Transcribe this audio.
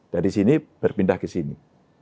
dari sini berpindah ke sini